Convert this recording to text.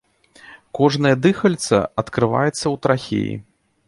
Кожнае дыхальца адкрываецца ў трахеі.